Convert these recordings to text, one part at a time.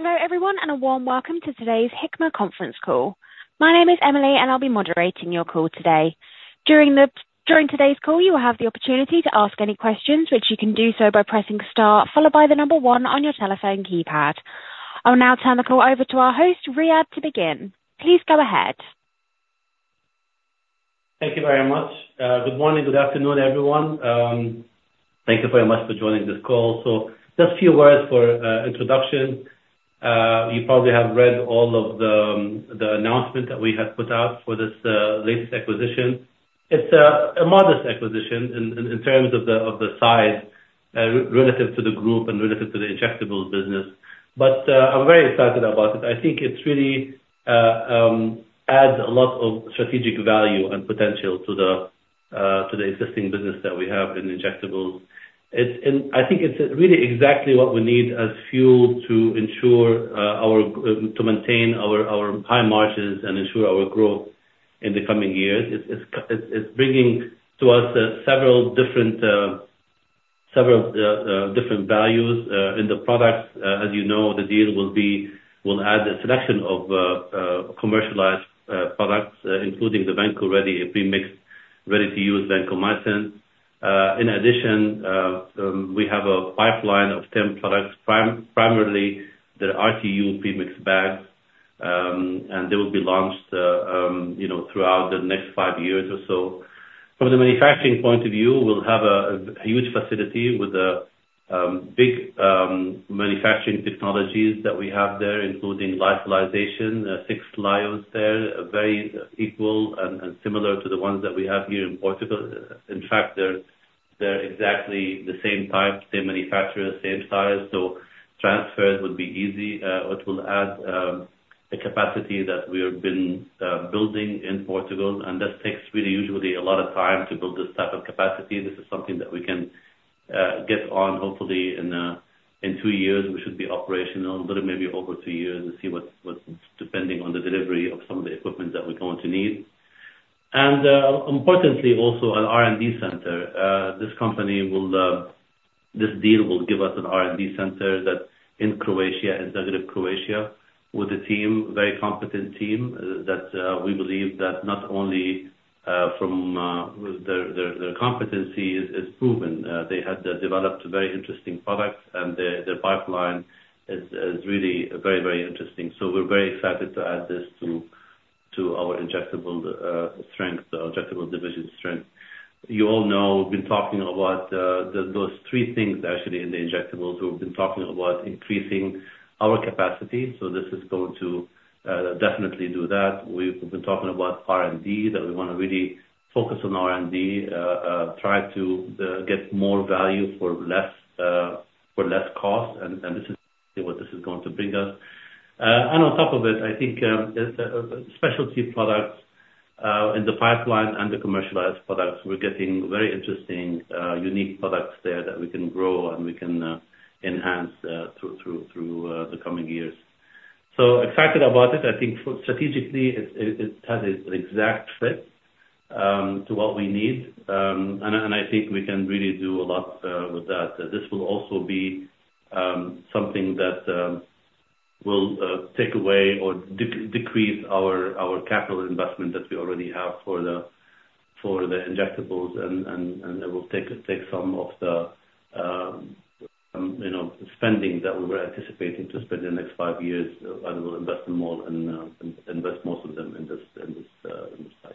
Hello, everyone, and a warm welcome to today's Hikma conference call. My name is Emily, and I'll be moderating your call today. During today's call, you will have the opportunity to ask any questions, which you can do so by pressing star followed by the number one on your telephone keypad. I will now turn the call over to our host, Riad, to begin. Please go ahead. Thank you very much. Good morning, good afternoon, everyone. Thank you very much for joining this call. So just a few words for introduction. You probably have read all of the announcement that we had put out for this latest acquisition. It's a modest acquisition in terms of the size relative to the group and relative to the injectables business, but I'm very excited about it. I think it really adds a lot of strategic value and potential to the existing business that we have in injectables. It's, and I think it's really exactly what we need as fuel to ensure our to maintain our high margins and ensure our growth in the coming years. It's bringing to us several different values in the products. As you know, the deal will add a selection of commercialized products, including the VANCO Ready, a premixed, ready-to-use vancomycin. In addition, we have a pipeline of 10 products, primarily the RTU premix bags, and they will be launched, you know, throughout the next 5 years or so. From the manufacturing point of view, we'll have a huge facility with big manufacturing technologies that we have there, including lyophilization, 6 lyos there, very equal and similar to the ones that we have here in Portugal. In fact, they're exactly the same type, same manufacturer, same size, so transfers would be easy. It will add the capacity that we have been building in Portugal, and this takes really usually a lot of time to build this type of capacity. This is something that we can get on hopefully in two years; we should be operational, but it may be over two years to see what's depending on the delivery of some of the equipment that we're going to need. And importantly, also, an R&D center. This deal will give us an R&D center that's in Croatia, in Zagreb, Croatia, with a team, a very competent team, that we believe that not only from their competency is proven. They had developed a very interesting product, and their pipeline is really very interesting. So we're very excited to add this to our injectables strength, injectables division strength. You all know, we've been talking about those three things, actually, in the injectables. We've been talking about increasing our capacity, so this is going to definitely do that. We've been talking about R&D, that we wanna really focus on R&D, try to get more value for less, for less cost, and this is what this is going to bring us. And on top of it, I think, specialty products in the pipeline and the commercialized products, we're getting very interesting unique products there that we can grow and we can enhance through the coming years. So excited about it. I think strategically it's, it has an exact fit to what we need. I think we can really do a lot with that. This will also be something that will take away or decrease our capital investment that we already have for the injectables, and it will take some of the, you know, spending that we were anticipating to spend in the next five years, and we'll invest more and invest most of them in this site.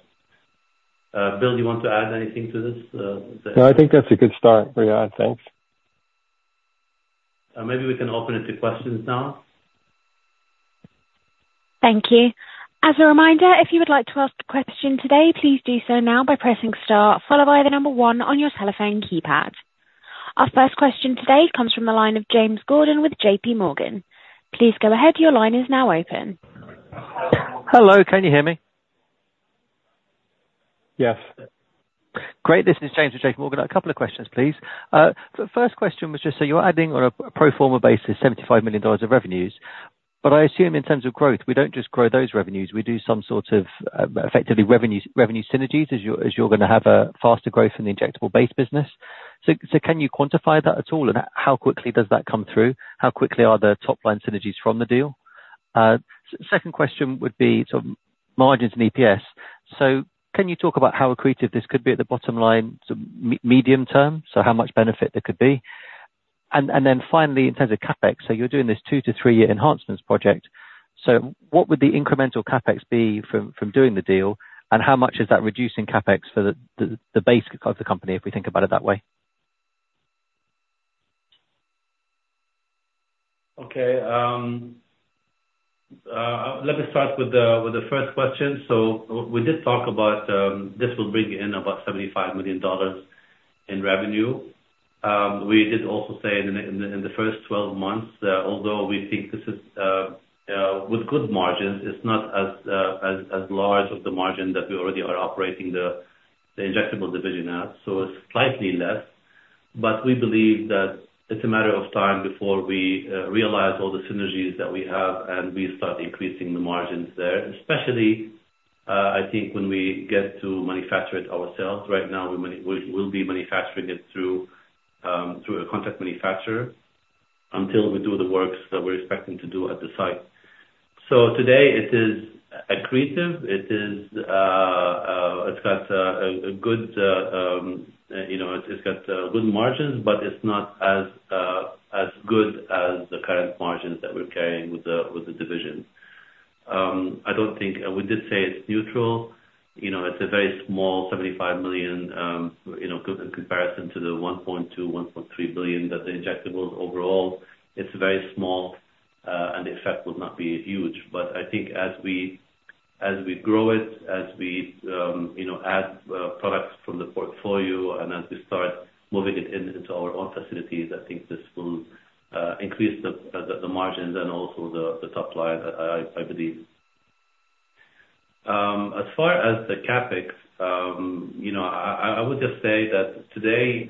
Bill, do you want to add anything to this? No, I think that's a good start, Riad. Thanks. Maybe we can open it to questions now. Thank you. As a reminder, if you would like to ask a question today, please do so now by pressing star, followed by the number one on your telephone keypad. Our first question today comes from the line of James Gordon with J.P. Morgan. Please go ahead. Your line is now open. Hello, can you hear me? Yes. Great. This is James from J.P. Morgan. A couple of questions, please. The first question was just, so you're adding on a pro forma basis, $75 million of revenues, but I assume in terms of growth, we don't just grow those revenues, we do some sort of, effectively revenues, revenue synergies, as you're, as you're gonna have a faster growth in the injectable base business. So, so can you quantify that at all? And how quickly does that come through? How quickly are the top-line synergies from the deal? Second question would be sort of margins and EPS. So can you talk about how accretive this could be at the bottom line, so medium term, so how much benefit there could be? And, and then finally, in terms of CapEx, so you're doing this 2- to 3-year enhancements project. So what would the incremental CapEx be from doing the deal, and how much is that reducing CapEx for the base of the company, if we think about it that way? Okay, let me start with the first question. So we did talk about, this will bring in about $75 million in revenue. We did also say in the first 12 months, although we think this is with good margins, it's not as large of the margin that we already are operating the injectable division now, so it's slightly less. But we believe that it's a matter of time before we realize all the synergies that we have, and we start increasing the margins there, especially. I think when we get to manufacture it ourselves, right now, we'll be manufacturing it through a contract manufacturer, until we do the works that we're expecting to do at the site. So today it is accretive, it is, it's got good margins, but it's not as good as the current margins that we're carrying with the division. I don't think, I would just say it's neutral. You know, it's a very small $75 million, you know, in comparison to the $1.2-$1.3 billion that the injectables overall, it's very small, and the effect will not be huge. But I think as we grow it, as we add products from the portfolio and as we start moving it into our own facilities, I think this will increase the margins and also the top line, I believe. As far as the CapEx, you know, I would just say that today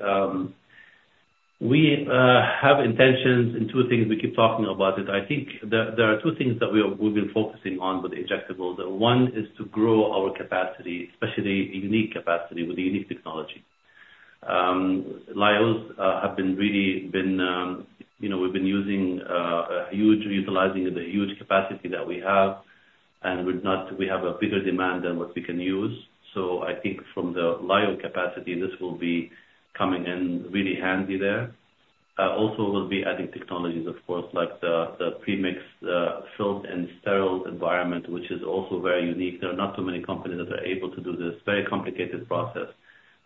we have intentions in two things we keep talking about it. I think there are two things that we've been focusing on with the injectables. One is to grow our capacity, especially unique capacity with the unique technology. Lyos have really been, you know, we've been using a huge utilizing of the huge capacity that we have, and we've not. We have a bigger demand than what we can use. So I think from the lyo capacity, this will be coming in really handy there. Also we'll be adding technologies, of course, like the premixed filled and sterile environment, which is also very unique. There are not too many companies that are able to do this very complicated process.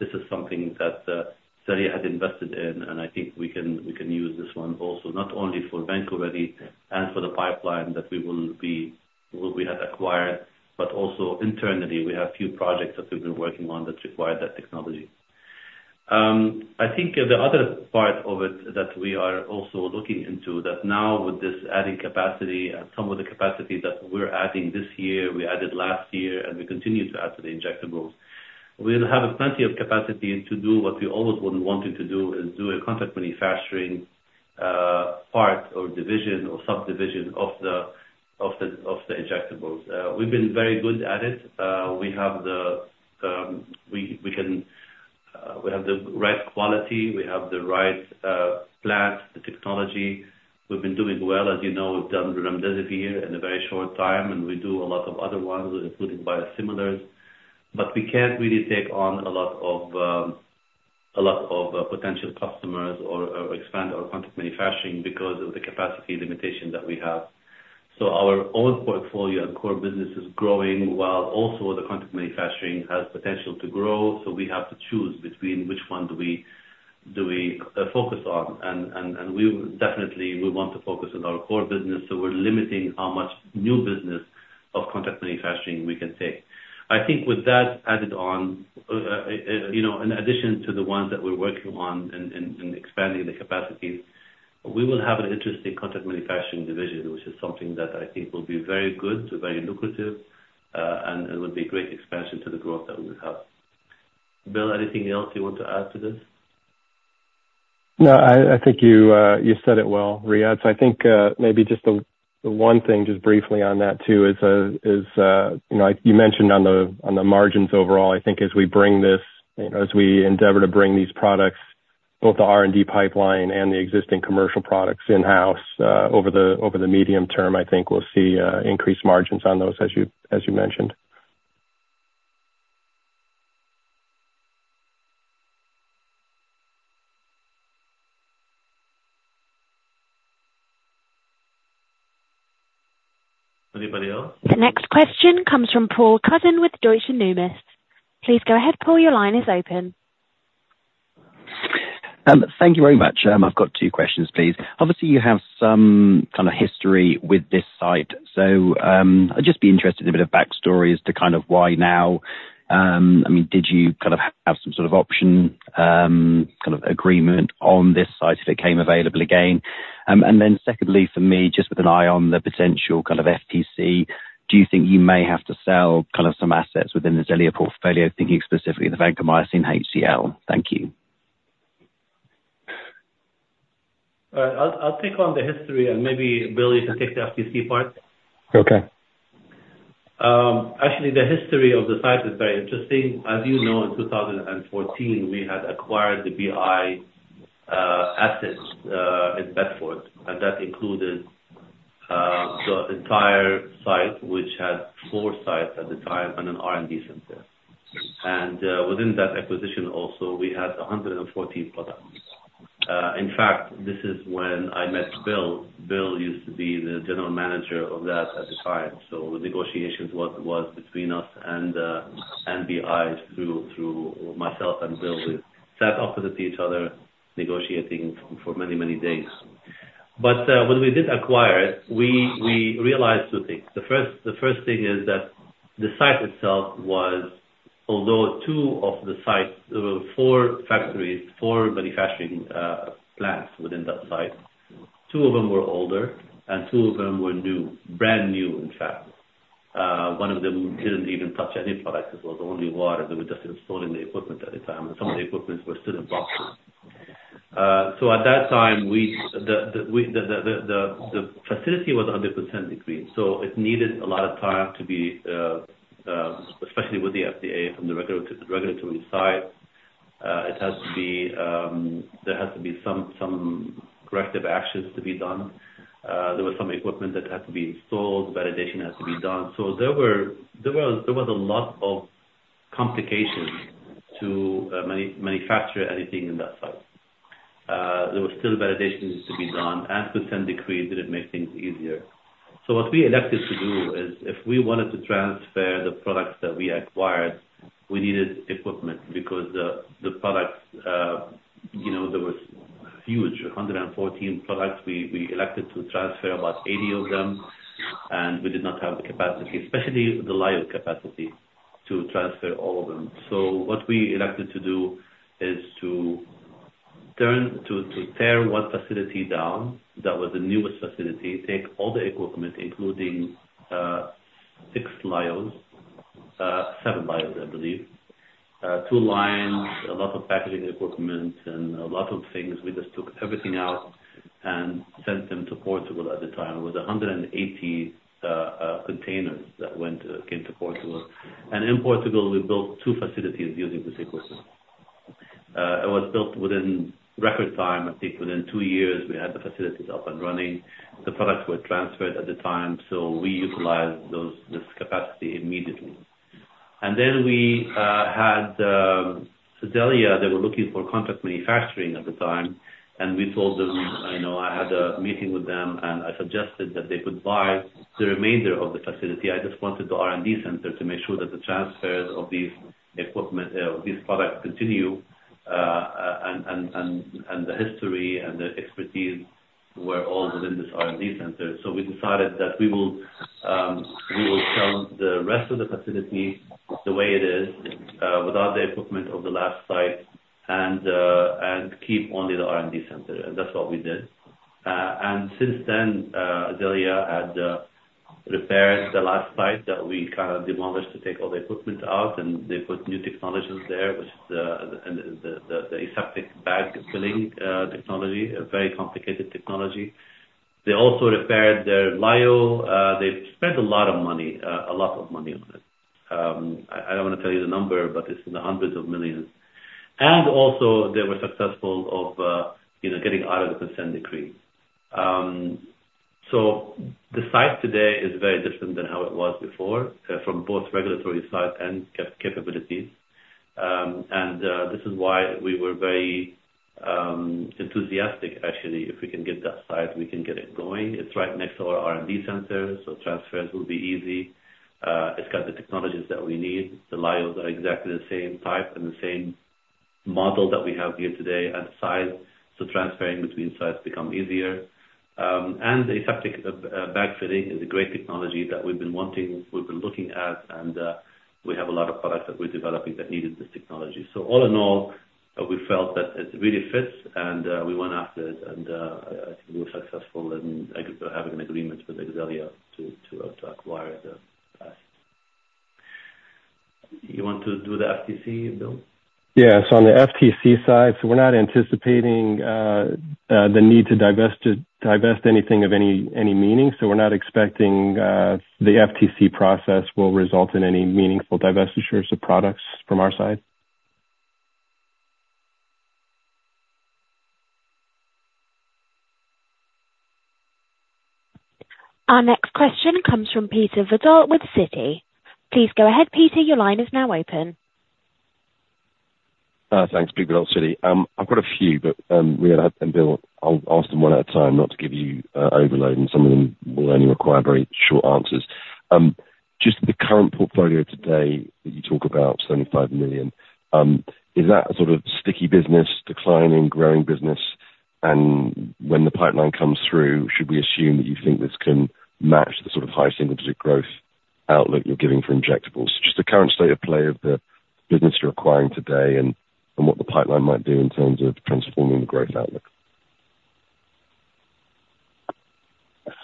This is something that Xellia had invested in, and I think we can use this one also, not only for VANCO Ready and for the pipeline that we have acquired, but also internally, we have a few projects that we've been working on that require that technology. I think the other part of it that we are also looking into, that now with this adding capacity and some of the capacity that we're adding this year, we added last year, and we continue to add to the injectables, we'll have plenty of capacity to do what we always would have wanted to do, is do a contract manufacturing part or division or subdivision of the injectables. We've been very good at it. We have the right quality, we have the right plant, the technology. We've been doing well. As you know, we've done remdesivir in a very short time, and we do a lot of other ones, including biosimilars. But we can't really take on a lot of potential customers or expand our contract manufacturing because of the capacity limitations that we have. So our own portfolio and core business is growing, while also the contract manufacturing has potential to grow. So we have to choose between which one do we focus on. We definitely want to focus on our core business, so we're limiting how much new business of contract manufacturing we can take. I think with that added on, you know, in addition to the ones that we're working on and expanding the capacities, we will have an interesting contract manufacturing division, which is something that I think will be very good, very lucrative, and it will be great expansion to the growth that we will have. Bill, anything else you want to add to this? No, I think you said it well, Riad. I think, maybe just the one thing, just briefly on that too, is, you know, you mentioned on the margins overall, I think as we bring, you know, as we endeavor to bring these products, both the R&D pipeline and the existing commercial products in-house, over the medium term, I think we'll see increased margins on those, as you mentioned. Anybody else? The next question comes from Paul Cuddon with Deutsche Numis. Please go ahead, Paul, your line is open. Thank you very much. I've got two questions, please. Obviously, you have some kind of history with this site, so, I'd just be interested in a bit of backstory as to kind of why now? I mean, did you kind of have some sort of option, kind of agreement on this site if it came available again? And then secondly, for me, just with an eye on the potential kind of FTC, do you think you may have to sell kind of some assets within the Xellia portfolio? Thinking specifically the vancomycin HCL. Thank you. I'll take on the history, and maybe Bill, you can take the FTC part. Okay. Actually, the history of the site is very interesting. As you know, in 2014, we had acquired the BI assets in Bedford, and that included the entire site, which had four sites at the time and an R&D center. And within that acquisition also, we had 114 products. In fact, this is when I met Bill. Bill used to be the general manager of that at the time. So the negotiations was between us and BI through myself and Bill. We sat opposite to each other, negotiating for many, many days. But when we did acquire it, we realized two things. The first thing is that the site itself was, although two of the site, four factories, four manufacturing plants within that site, two of them were older and two of them were new, brand new, in fact. One of them didn't even touch any products. It was only water. They were just installing the equipment at the time, and some of the equipment was still in boxes. So at that time, the facility was under consent decree, so it needed a lot of time to be, especially with the FDA, from the regulatory side. It has to be, there has to be some corrective actions to be done. There was some equipment that had to be installed, validation had to be done. So there was a lot of complications to manufacture anything in that site. There were still validations to be done. After consent decree, did it make things easier? So what we elected to do is, if we wanted to transfer the products that we acquired, we needed equipment because the products, you know, there was a huge 114 products. We elected to transfer about 80 of them, and we did not have the capacity, especially the lyo capacity, to transfer all of them. So what we elected to do is to tear one facility down, that was the newest facility, take all the equipment, including six lyos, seven lyos, I believe, two lines, a lot of packaging equipment and a lot of things. We just took everything out and sent them to Portugal at the time. It was 180 containers that went, came to Portugal. And in Portugal, we built two facilities using this equipment. It was built within record time. I think within two years we had the facilities up and running. The products were transferred at the time, so we utilized those, this capacity immediately. And then we had Xellia, they were looking for contract manufacturing at the time, and we told them, I know I had a meeting with them, and I suggested that they could buy the remainder of the facility. I just wanted the R&D center to make sure that the transfers of these equipment, these products continue, and the history and the expertise were all within this R&D center. So we decided that we will, we will sell the rest of the facility the way it is, without the equipment of the last site and, and keep only the R&D center. And that's what we did. And since then, Xellia had, repaired the last site that we kind of demolished to take all the equipment out, and they put new technologies there, which the, the, the, the aseptic bag filling, technology, a very complicated technology. They also repaired their lyo. They've spent a lot of money, a lot of money on it. I, I don't want to tell you the number, but it's $ hundreds of millions. And also, they were successful of, you know, getting out of the consent decree. So the site today is very different than how it was before, from both regulatory side and capabilities. And this is why we were very enthusiastic, actually, if we can get that site, we can get it going. It's right next to our R&D center, so transfers will be easy. It's got the technologies that we need. The lyos are exactly the same type and the same model that we have here today and size, so transferring between sites become easier. And the aseptic bag filling is a great technology that we've been wanting, we've been looking at, and we have a lot of products that we're developing that needed this technology. So all in all, we felt that it really fits and we went after it, and I think we were successful in having an agreement with Xellia to acquire the asset. You want to do the FTC, Bill? Yeah. So on the FTC side, so we're not anticipating the need to divest anything of any meaning. So we're not expecting the FTC process will result in any meaningful divestitures of products from our side. Our next question comes from Peter Verdult with Citi. Please go ahead, Peter. Your line is now open. Thanks, Peter with Citi. I've got a few, but, we had Bill. I'll ask them one at a time, not to give you, overload, and some of them will only require very short answers. Just the current portfolio today, that you talk about, $75 million, is that a sort of sticky business, declining, growing business? And when the pipeline comes through, should we assume that you think this can match the sort of high single digit growth outlook you're giving for injectables? Just the current state of play of the business you're acquiring today and, and what the pipeline might do in terms of transforming the growth outlook.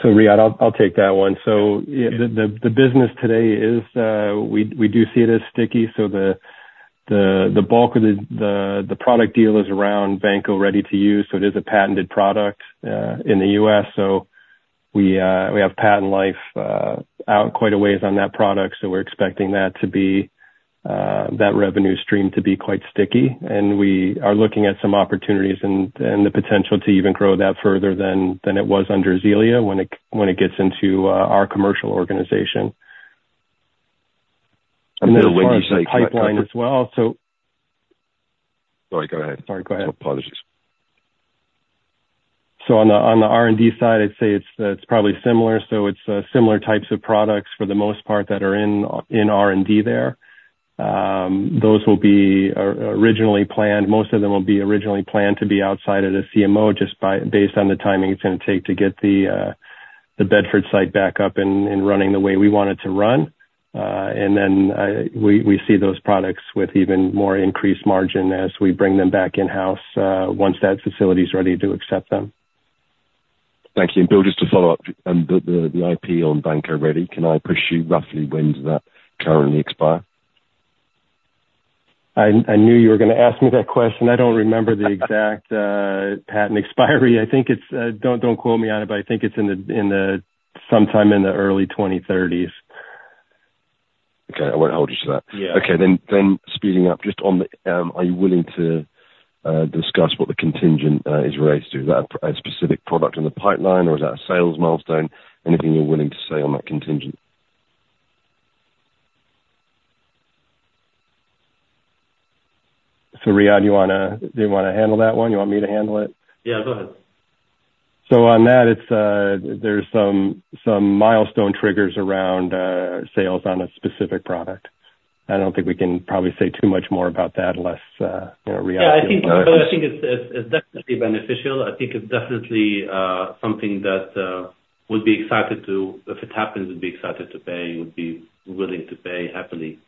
So Riad, I'll take that one. So yeah, the business today is, we do see it as sticky, so the bulk of the product deal is around Vanco ready to use, so it is a patented product in the US, so we have patent life out quite a ways on that product, so we're expecting that to be that revenue stream to be quite sticky. And we are looking at some opportunities and the potential to even grow that further than it was under Xellia, when it gets into our commercial organization. And then when you say- Pipeline as well, so- Sorry, go ahead. Sorry, go ahead. Apologies. So on the R&D side, I'd say it's probably similar, so it's similar types of products for the most part, that are in R&D there. Those were originally planned... Most of them will be originally planned to be outside of the CMO, just by, based on the timing it's gonna take to get the Bedford site back up and running the way we want it to run. And then we see those products with even more increased margin as we bring them back in-house, once that facility is ready to accept them.... Thank you. And Bill, just to follow up, and the IP on Vanco Ready, can I push you roughly when does that currently expire? I knew you were going to ask me that question. I don't remember the exact patent expiry. I think it's, don't quote me on it, but I think it's sometime in the early 2030s. Okay. I won't hold you to that. Yeah. Okay, then speeding up, just on the, are you willing to discuss what the contingent is raised to? Is that a specific product in the pipeline, or is that a sales milestone? Anything you're willing to say on that contingent? So, Riad, do you wanna handle that one? You want me to handle it? Yeah, go ahead. So on that, it's, there's some milestone triggers around sales on a specific product. I don't think we can probably say too much more about that unless, you know, Riad- Yeah, I think it's definitely beneficial. I think it's definitely something that we'll be excited to... If it happens, we'd be excited to pay and would be willing to pay happily.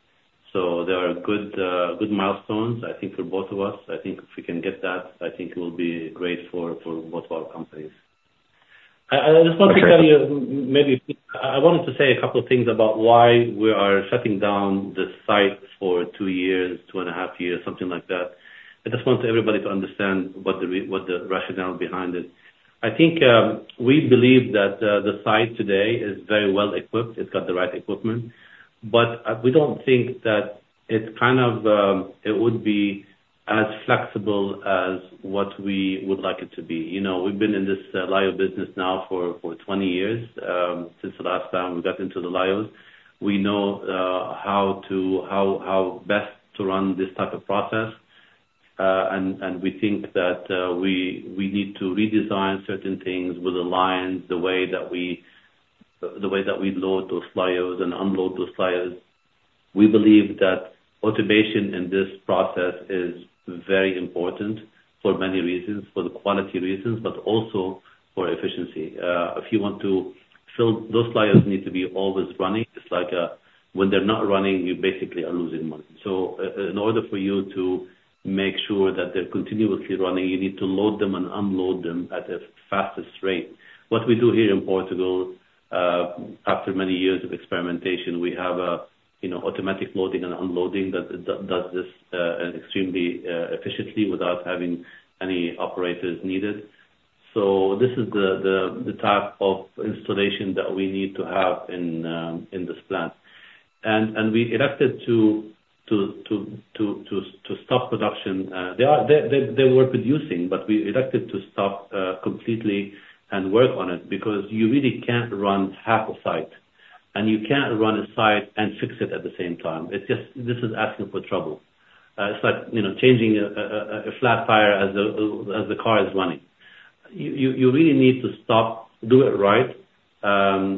So there are good milestones, I think, for both of us. I think if we can get that, I think it will be great for both of our companies. I just want to tell you, maybe I wanted to say a couple of things about why we are shutting down the site for 2 years, 2.5 years, something like that. I just want everybody to understand what the rationale behind it. I think we believe that the site today is very well equipped. It's got the right equipment, but we don't think that it's kind of it would be as flexible as what we would like it to be. You know, we've been in this lyo business now for 20 years, since the last time we got into the lyos. We know how best to run this type of process, and we think that we need to redesign certain things with the lines, the way that we load those lyos and unload those lyos. We believe that automation in this process is very important for many reasons, for the quality reasons, but also for efficiency. If you want to fill, those lyos need to be always running. It's like, when they're not running, you basically are losing money. So in order for you to make sure that they're continuously running, you need to load them and unload them at the fastest rate. What we do here in Portugal, after many years of experimentation, we have a, you know, automatic loading and unloading that does this extremely efficiently without having any operators needed. So this is the type of installation that we need to have in this plant. And we elected to stop production. They were producing, but we elected to stop completely and work on it, because you really can't run half a site, and you can't run a site and fix it at the same time. It's just this is asking for trouble. It's like, you know, changing a flat tire as the car is running. You really need to stop, do it right,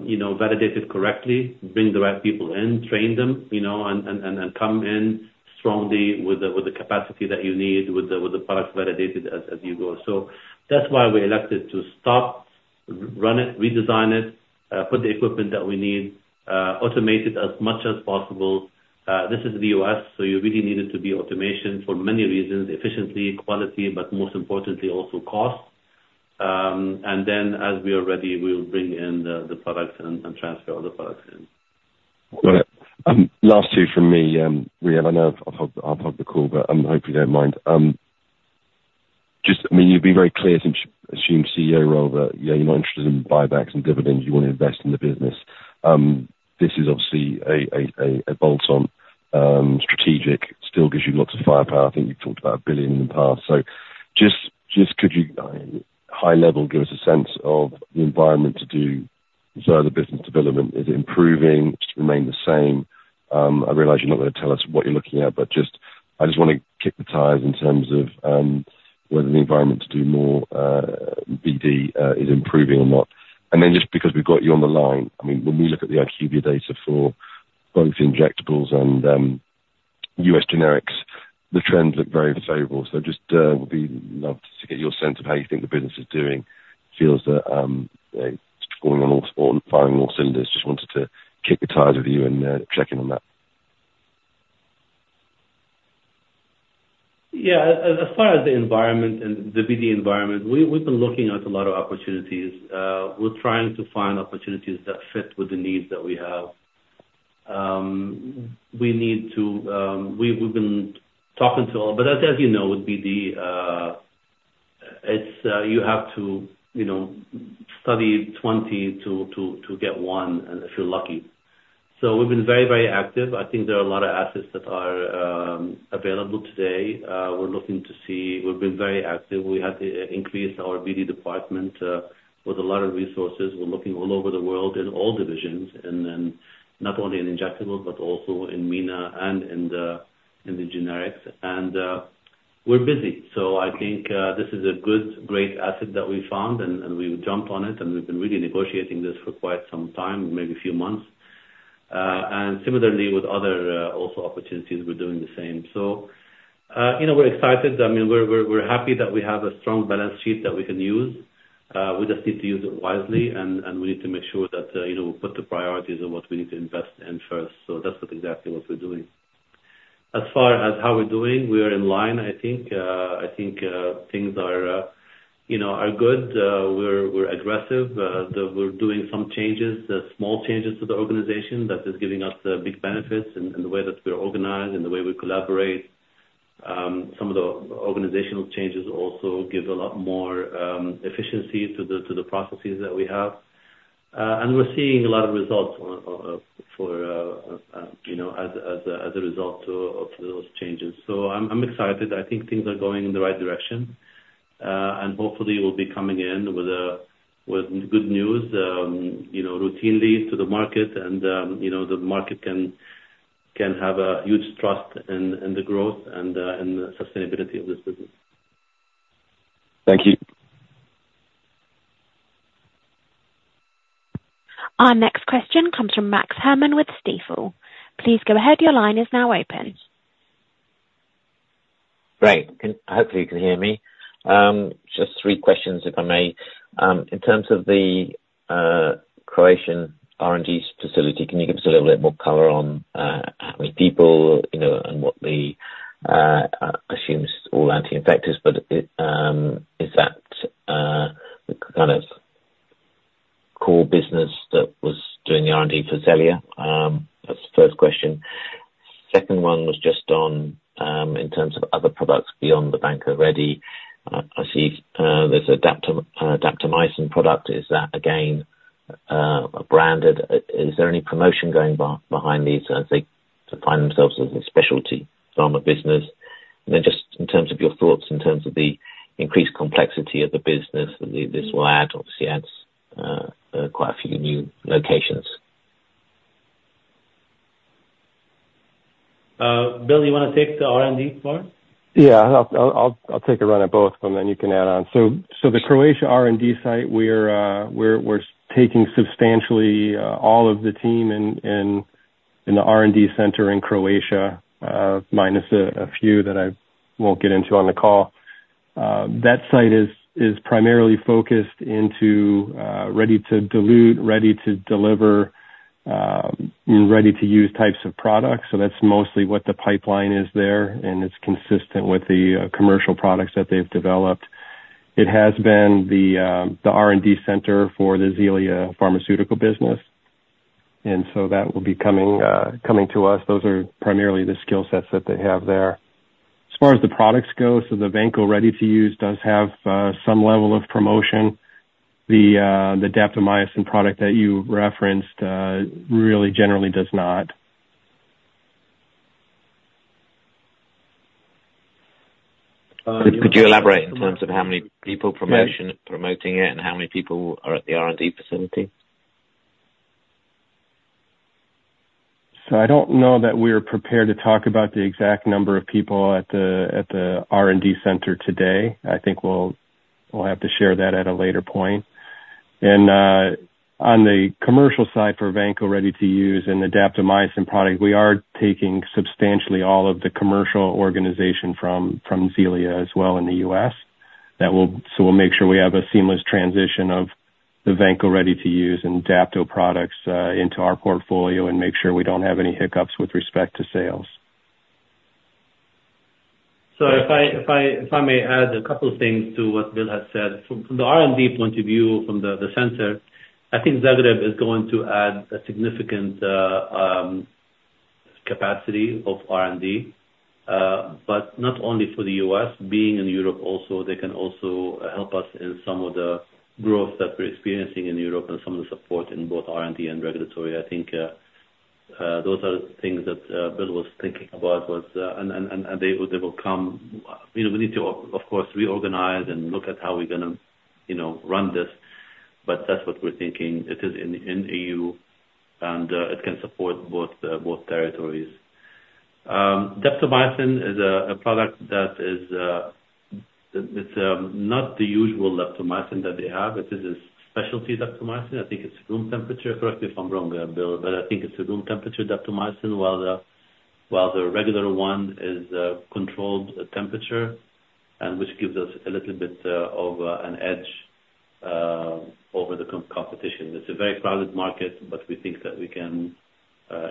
you know, validate it correctly, bring the right people in, train them, you know, and come in strongly with the capacity that you need, with the product validated as you go. So that's why we elected to stop, run it, redesign it, put the equipment that we need, automate it as much as possible. This is the U.S., so you really need it to be automation for many reasons: efficiency, quality, but most importantly, also cost. And then as we are ready, we will bring in the product and transfer other products in. Well, last two from me, Riad. I know I've hugged, I've hugged the call, but I hope you don't mind. Just, I mean, you've been very clear since you assumed CEO role that, you know, you're not interested in buybacks and dividends. You want to invest in the business. This is obviously a bolt-on, strategic, still gives you lots of firepower. I think you've talked about $1 billion in the past. So just could you, high level, give us a sense of the environment to do further business development? Is it improving? Does it remain the same? I realize you're not going to tell us what you're looking at, but just, I just want to kick the tires in terms of, whether the environment to do more, BD, is improving or not. And then, just because we've got you on the line, I mean, when we look at the IQVIA data for both injectables and, US generics, the trends look very favorable. So just, would be loved to get your sense of how you think the business is doing. Feels that, going on all, firing on all cylinders. Just wanted to kick the tires with you and, check in on that. Yeah. As far as the environment and the BD environment, we, we've been looking at a lot of opportunities. We're trying to find opportunities that fit with the needs that we have. We need to, we, we've been talking to all... But as, as you know, with BD, it's, you have to, you know, study 20 to get one, and if you're lucky. So we've been very, very active. I think there are a lot of assets that are, available today. We're looking to see... We've been very active. We had to increase our BD department, with a lot of resources. We're looking all over the world in all divisions, and then not only in injectables, but also in MENA and in the, in the generics. And, we're busy. So I think this is a good, great asset that we found, and we jumped on it, and we've been really negotiating this for quite some time, maybe a few months. And similarly, with other also opportunities, we're doing the same. So, you know, we're excited. I mean, we're happy that we have a strong balance sheet that we can use. We just need to use it wisely, and we need to make sure that, you know, we put the priorities of what we need to invest in first. So that's exactly what we're doing. As far as how we're doing, we are in line, I think. I think things are, you know, good. We're aggressive. We're doing some small changes to the organization that is giving us big benefits in the way that we're organized and the way we collaborate. Some of the organizational changes also give a lot more efficiency to the processes that we have. And we're seeing a lot of results, you know, as a result of those changes. So I'm excited. I think things are going in the right direction. And hopefully we'll be coming in with good news, you know, routinely to the market and, you know, the market can have a huge trust in the growth and the sustainability of this business. Thank you. Our next question comes from Max Herrmann with Stifel. Please go ahead. Your line is now open. Great! Hopefully you can hear me. Just three questions, if I may. In terms of the Croatian R&D facility, can you give us a little bit more color on how many people, you know, and what the I assume it's all anti-infectives, but it is that the kind of core business that was doing the R&D for Xellia? That's the first question. Second one was just on in terms of other products beyond the Vanco Ready, I see, there's a daptomycin product. Is that again a branded? Is there any promotion going behind these as they define themselves as a specialty pharma business? And then just in terms of your thoughts in terms of the increased complexity of the business that this will add, obviously adds quite a few new locations. Bill, you wanna take the R&D part? Yeah. I'll take a run at both, and then you can add on. So the Croatia R&D site, we're taking substantially all of the team in the R&D center in Croatia, minus a few that I won't get into on the call. That site is primarily focused into ready to dilute, ready to deliver, ready to use types of products. So that's mostly what the pipeline is there, and it's consistent with the commercial products that they've developed. It has been the R&D center for the Xellia Pharmaceuticals business, and so that will be coming to us. Those are primarily the skill sets that they have there. As far as the products go, so the VANCO Ready to Use does have some level of promotion. The daptomycin product that you referenced really generally does not. Could you elaborate in terms of how many people promoting it, and how many people are at the R&D facility? So I don't know that we are prepared to talk about the exact number of people at the R&D center today. I think we'll have to share that at a later point. And on the commercial side, for Vanco Ready to Use and the daptomycin product, we are taking substantially all of the commercial organization from Xellia as well in the US. That will. So we'll make sure we have a seamless transition of the Vanco Ready to Use and daptomycin products into our portfolio, and make sure we don't have any hiccups with respect to sales. So if I may add a couple things to what Bill has said. From the R&D point of view, from the center, I think Zagreb is going to add a significant capacity of R&D, but not only for the U.S. Being in Europe also, they can also help us in some of the growth that we're experiencing in Europe and some of the support in both R&D and regulatory. I think those are the things that Bill was thinking about was. And they will come, you know, we need to, of course, reorganize and look at how we're gonna, you know, run this, but that's what we're thinking. It is in EU, and it can support both territories. Daptomycin is a product that is, it's not the usual daptomycin that they have. It is a specialty daptomycin. I think it's room temperature. Correct me if I'm wrong there, Bill, but I think it's a room temperature daptomycin, while the regular one is controlled temperature, and which gives us a little bit of an edge over the competition. It's a very crowded market, but we think that we can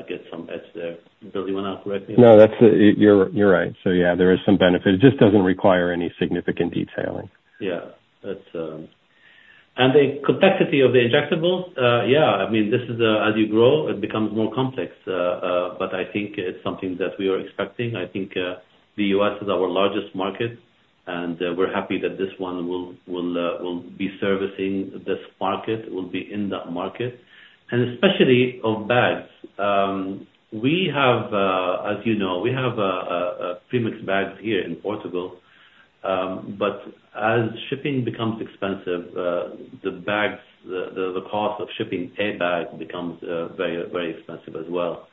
get some edge there. Bill, you want to correct me? No, that's, you're right. So yeah, there is some benefit. It just doesn't require any significant detailing. Yeah, that's. And the complexity of the injectables, yeah, I mean, this is, as you grow, it becomes more complex. But I think it's something that we are expecting. I think, the US is our largest market, and, we're happy that this one will be servicing this market, will be in that market, and especially of bags. We have, as you know, we have, a premix bags here in Portugal, but as shipping becomes expensive, the cost of shipping a bag becomes, very, very expensive as well.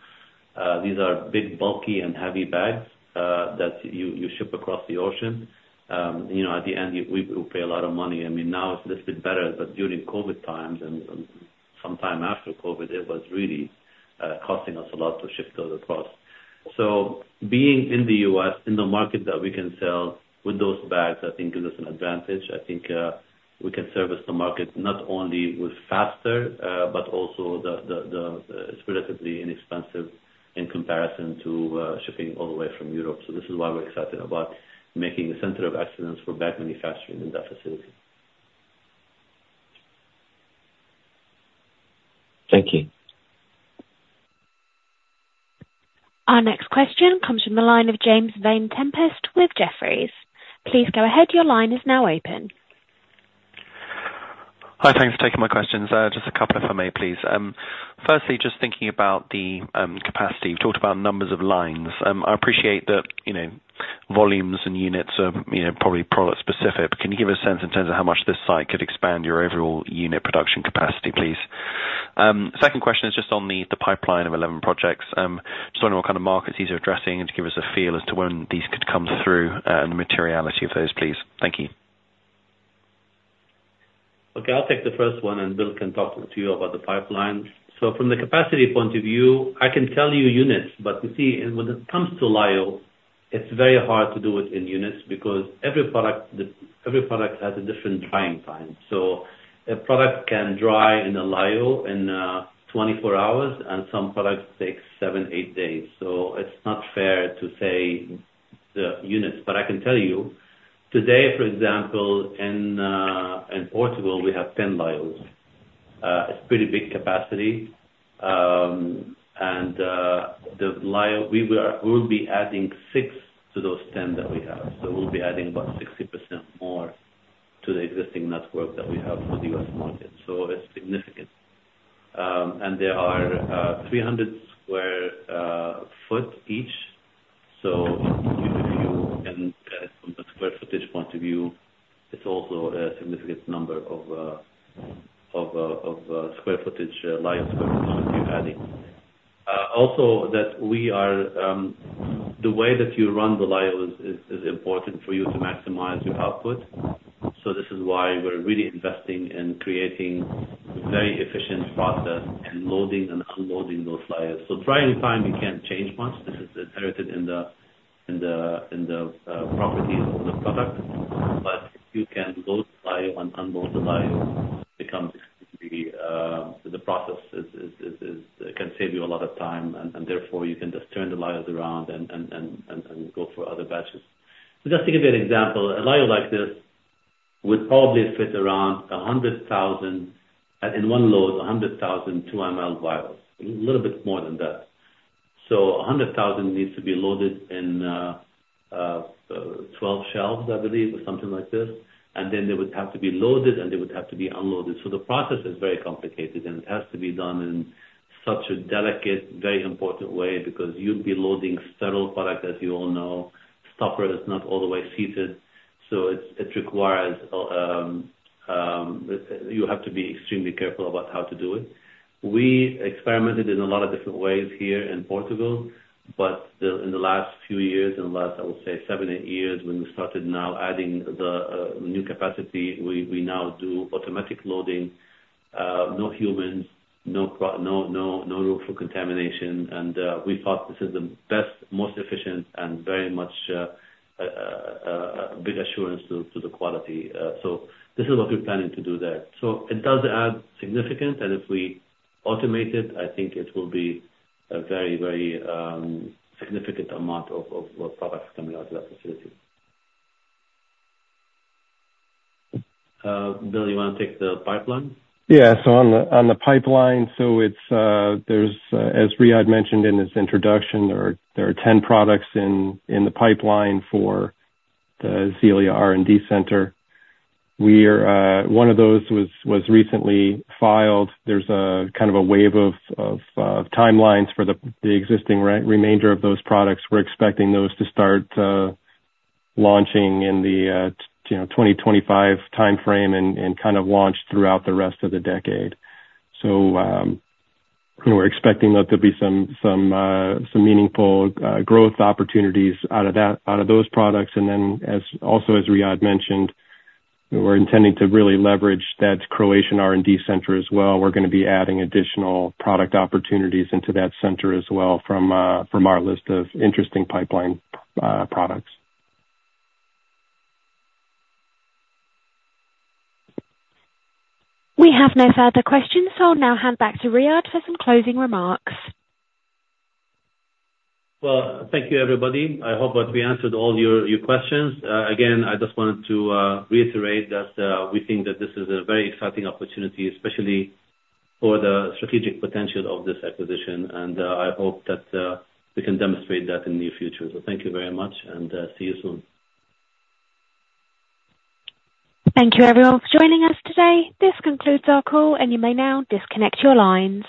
These are big, bulky and heavy bags, that you ship across the ocean. You know, at the end, we pay a lot of money. I mean, now it's a little bit better, but during COVID times and sometime after COVID, it was really costing us a lot to ship those across. So being in the U.S., in the market that we can sell with those bags, I think gives us an advantage. I think we can service the market not only with faster, but also the, it's relatively inexpensive... in comparison to shipping all the way from Europe. So this is why we're excited about making a center of excellence for bag manufacturing in that facility. Thank you. Our next question comes from the line of James Vane-Tempest with Jefferies. Please go ahead. Your line is now open. Hi, thanks for taking my questions. Just a couple, if I may please. Firstly, just thinking about the capacity. You've talked about numbers of lines. I appreciate that, you know, volumes and units are, you know, probably product specific, but can you give us a sense in terms of how much this site could expand your overall unit production capacity, please? Second question is just on the pipeline of 11 projects. Just wondering what kind of markets these are addressing, and to give us a feel as to when these could come through, and the materiality of those, please. Thank you. Okay, I'll take the first one, and Bill can talk to you about the pipeline. So from the capacity point of view, I can tell you units, but you see, when it comes to lyo, it's very hard to do it in units, because every product, every product has a different drying time. So a product can dry in a lyo in 24 hours, and some products take 7, 8 days. So it's not fair to say the units, but I can tell you, today, for example, in Portugal, we have 10 lyos. It's pretty big capacity, and the lyo we will be adding 6 to those 10 that we have. So we'll be adding about 60% more to the existing network that we have for the U.S. market. So it's significant. And there are 300 sq ft each. So if you view in from the square footage point of view, it's also a significant number of square footage, lyo sq ft we're adding. Also, the way that you run the lyos is important for you to maximize your output. So this is why we're really investing in creating very efficient process in loading and unloading those lyos. So drying time, you can't change much. This is inherited in the properties of the product, but you can load lyo and unload the lyo becomes extremely. The process can save you a lot of time, and go for other batches. So just to give you an example, a lyo like this would probably fit around 100,000, in one load, 100,000, 2 mL vials, a little bit more than that. So 100,000 needs to be loaded in, 12 shelves, I believe, or something like this, and then they would have to be loaded, and they would have to be unloaded. So the process is very complicated, and it has to be done in such a delicate, very important way, because you'd be loading sterile product, as you all know, stopper is not all the way seated, so it's it requires, you have to be extremely careful about how to do it. We experimented in a lot of different ways here in Portugal, but in the last few years, in the last, I would say 7, 8 years, when we started now adding the new capacity, we now do automatic loading, no humans, no—no, no room for contamination, and we thought this is the best, most efficient and very much a big assurance to the quality. So this is what we're planning to do there. So it does add significant, and if we automate it, I think it will be a very, very significant amount of products coming out of that facility. Bill, you want to take the pipeline? Yeah. So on the pipeline, so it's, there's, as Riad mentioned in his introduction, there are 10 products in the pipeline for the Xellia R&D center. One of those was recently filed. There's a kind of a wave of timelines for the existing remainder of those products. We're expecting those to start launching in the, you know, 2025 timeframe and kind of launch throughout the rest of the decade. So, we're expecting that there'll be some meaningful growth opportunities out of that, out of those products. And then also, as Riad mentioned, we're intending to really leverage that Croatian R&D center as well. We're gonna be adding additional product opportunities into that center as well from our list of interesting pipeline products. We have no further questions, so I'll now hand back to Riad for some closing remarks. Well, thank you, everybody. I hope that we answered all your questions. Again, I just wanted to reiterate that we think that this is a very exciting opportunity, especially for the strategic potential of this acquisition, and I hope that we can demonstrate that in the near future. So thank you very much, and see you soon. Thank you, everyone, for joining us today. This concludes our call, and you may now disconnect your lines.